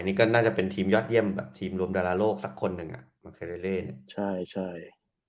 นี่ก็น่าจะเป็นทีมยอดเยี่ยมแบบทีมรวมดาราโลกสักคนหนึ่งอ่ะมาเคเร่เนี่ยใช่ใช่